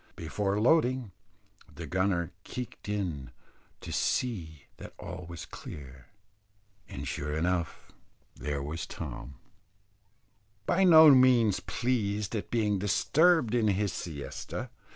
Before loading, the gunner keeked in to see that all was clear, and sure enough there was Tom, by no means pleased at being disturbed in his siesta.